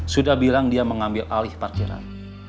sudah bilang dia mengambil alih parkiran